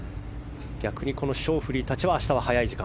逆にショーフリーたちは明日は早い時間。